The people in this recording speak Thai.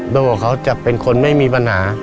โดยบอกเขาจะเป็นคนไม่มีปัญหา